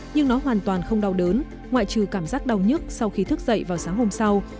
nhưng nó hoàn toàn không đau đớn ngoại trừ cảm giác đau nhất sau khi thức dậy vào sáng hôm sau